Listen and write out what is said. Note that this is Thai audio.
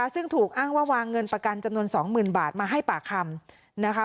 ซึ่งถูกอ้างว่าวางเงินประกันจำนวน๒๐๐๐บาทมาให้ปากคำนะคะ